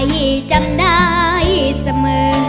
ไถที่จำได้เสมอ